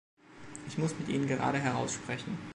Ich muss mit Ihnen geradeheraus sprechen.